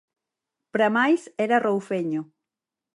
Pra máis, era roufeño.